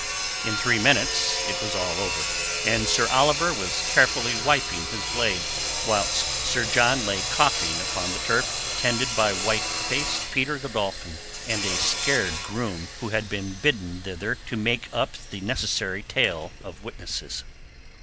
In three minutes it was all over and Sir Oliver was carefully wiping his blade, whilst Sir John lay coughing upon the turf tended by white faced Peter Godolphin and a scared groom who had been bidden thither to make up the necessary tale of witnesses.